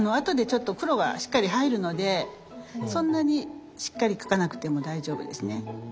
後でちょっと黒がしっかり入るのでそんなにしっかり描かなくても大丈夫ですね。